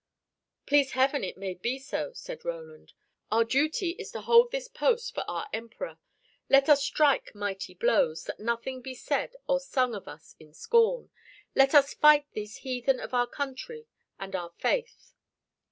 "Please Heaven it may be so," said Roland. "Our duty is to hold this post for our Emperor. Let us strike mighty blows, that nothing be said or sung of us in scorn. Let us fight these heathen for our country and our faith."